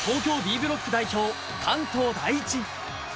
ブロック代表・関東第一。